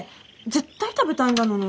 絶対食べたいんだのに。